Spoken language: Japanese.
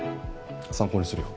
参考にするよ。